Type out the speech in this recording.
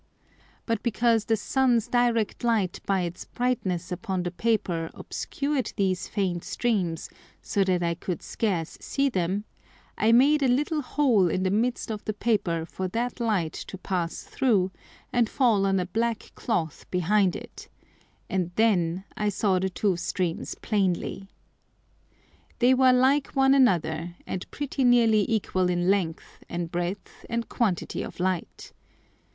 But because the Sun's direct Light by its brightness upon the Paper obscured these faint streams, so that I could scarce see them, I made a little hole in the midst of the Paper for that Light to pass through and fall on a black Cloth behind it; and then I saw the two streams plainly. They were like one another, and pretty nearly equal in length, and breadth, and quantity of Light.